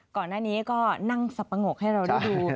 ก่อนหน้านี้ก็นั่งสับปะงกให้เราได้ดู